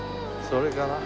それかな？